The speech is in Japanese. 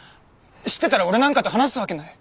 知ってたら俺なんかと話すわけない。